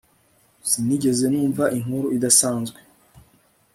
sinigeze numva inkuru idasanzwe